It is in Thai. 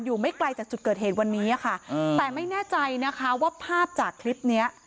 ไม่ไกลจากจุดเกิดเหตุวันนี้ค่ะแต่ไม่แน่ใจนะคะว่าภาพจากคลิปเนี้ย